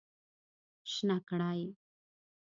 شنه کړی